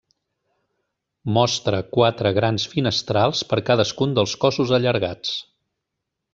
Mostra quatre grans finestrals per cadascun dels cossos allargats.